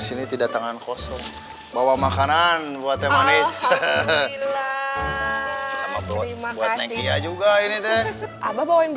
sini tidak tangan kosong bawa makanan buatnya manis sama bro ini juga ini deh apa bawain